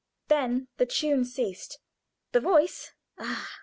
Then the tune ceased. The voice ah!